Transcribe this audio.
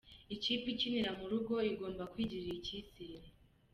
Ikipe ikinira mu rugo igomba kwigirira icyizere.